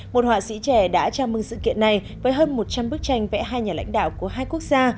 một họa sĩ trẻ đã chào mừng sự kiện này với hơn một trăm linh bức tranh vẽ hai nhà lãnh đạo của hai quốc gia